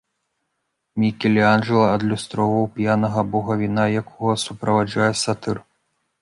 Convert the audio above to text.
Мікеланджэла адлюстраваў п'янага бога віна, якога суправаджае сатыр.